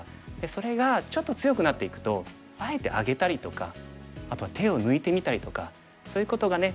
それがちょっと強くなっていくとあえてあげたりとかあとは手を抜いてみたりとかそういうことがね